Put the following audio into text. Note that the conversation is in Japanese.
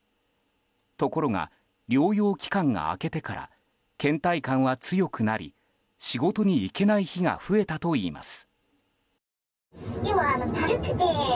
ところが、療養期間が明けてから倦怠感は強くなり仕事に行けない日が増えたといいます。